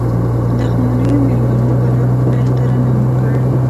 لغمانيو مېلمنو بلا ښکلی ترنم وکړ.